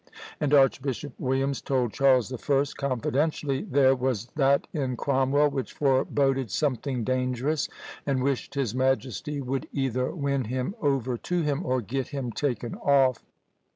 And Archbishop Williams told Charles the First confidentially, "There was that in Cromwell which foreboded something dangerous, and wished his majesty would either win him over to him, or get him taken off."